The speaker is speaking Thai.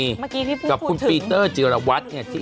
เมื่อกี้พี่พูดถึงกับคุณพีเตอร์เจรวรรวรรดิเนี่ยที่